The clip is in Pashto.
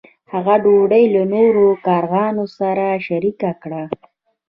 هغه ډوډۍ له نورو کارغانو سره شریکه کړه.